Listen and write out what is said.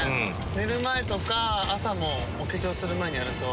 寝る前とか朝もお化粧する前に。